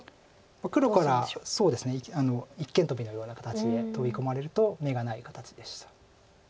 黒から一間トビのような形でトビ込まれると眼がない形でした。